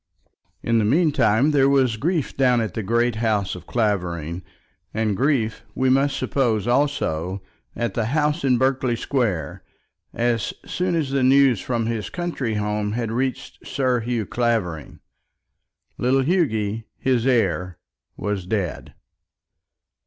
In the meantime there was grief down at the great house of Clavering; and grief, we must suppose also, at the house in Berkeley Square, as soon as the news from his country home had reached Sir Hugh Clavering. Little Hughy, his heir, was dead.